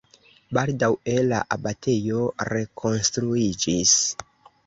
Baldaŭe la abatejo rekonstruiĝis.